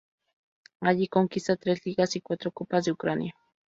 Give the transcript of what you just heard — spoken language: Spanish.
Allí conquista tres Ligas y cuatro Copas de Ucrania.